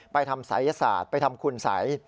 ทำศัยศาสตร์ไปทำคุณสัย